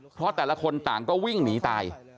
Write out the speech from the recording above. เพราะแต่ละคนต่างก็วิ่งหนีตาย